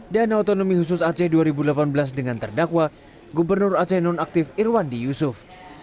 dana otonomi khusus aceh dua ribu delapan belas dengan terdakwa gubernur aceh nonaktif irwandi yusuf